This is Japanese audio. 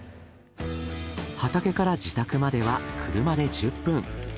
畑から自宅までは車で１０分。